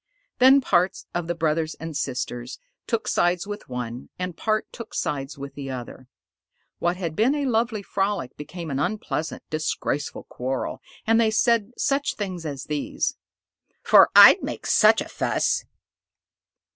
Then part of the brothers and sisters took sides with one, and part took sides with the other. What had been a lovely frolic became an unpleasant, disgraceful quarrel, and they said such things as these: "'Fore I'd make such a fuss!"